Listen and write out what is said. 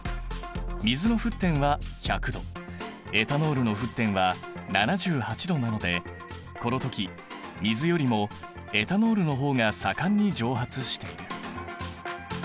水の沸点は１００℃エタノールの沸点は７８℃なのでこの時水よりもエタノールの方が盛んに蒸発している。